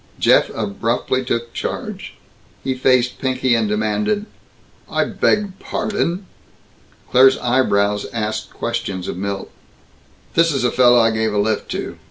Jeff abruptly took charge. He faced Pinky and demanded, "I beg pardon!" Claire's eyebrows asked questions of Milt. "This is a fellow I gave a lift to.